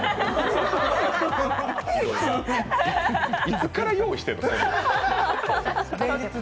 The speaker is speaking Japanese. いつから用意してるの。